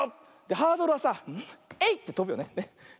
ハードルはさ「えいっ！」ってとぶよね。